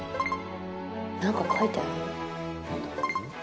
何か書いてある？